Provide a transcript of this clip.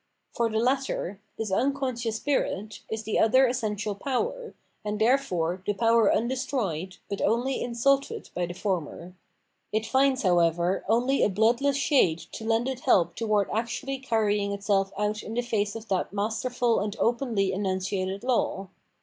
For the latter, this unconscious spirit, is the other essential power, and therefore the power undestroyed, but only insulted by the former. It finds, however, only a bloodless shade to lend it help towards actually canyiag itself out in the face of that masterful and openly enunciated law.